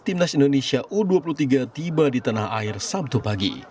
timnas indonesia u dua puluh tiga tiba di tanah air sabtu pagi